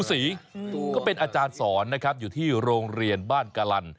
มีแผงโซล่าเซลล์อยู่บนหลังคารถนะครับ